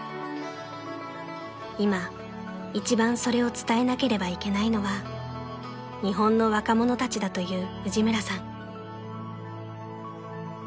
［今一番それを伝えなければいけないのは日本の若者たちだという藤村さん］